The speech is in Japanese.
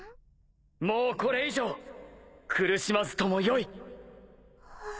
もうこれ以上苦しまずともよい。